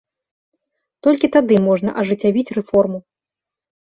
Толькі тады можна ажыццявіць рэформу.